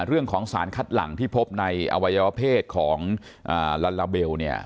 เรื่องของสารคัดหลังที่พบในอวัยวเพศของลัลลาเบลเนี่ย